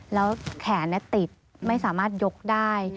แล้วแขนติดไม่สามารถยกได้